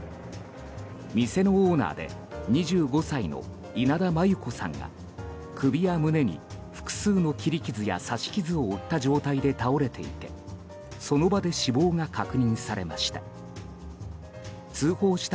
店のオーナーで２５歳の稲田真優子さんが首や胸に複数の切り傷や刺し傷を負った状態で倒れていてその場で死亡が確認されました。